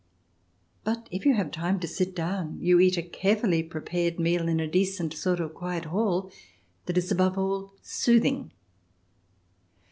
But if 20 THE DESIRABLE ALIEN [ch. ii you have time to sit down you eat a carefully prepared meal in a decent sort of quiet hall that is, above all, soothing.